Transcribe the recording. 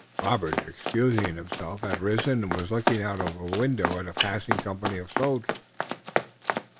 Robert, excusing himself, had risen and was looking out of a window at a passing company of soldiers.